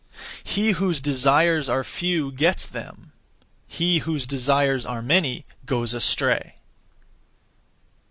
He whose (desires) are few gets them; he whose (desires) are many goes astray.